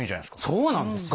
そうなんですよ。